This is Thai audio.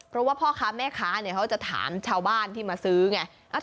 เพราะว่าพ่อค้าแม่ค้าเขาจะถามชาวบ้านที่มาซื้อไง